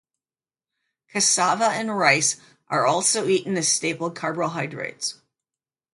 Cassava and rice are also eaten as staple carbohydrates.